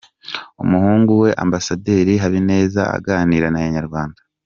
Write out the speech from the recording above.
Umuhungu we Ambasaderi Habineza aganira na Inyarwanda.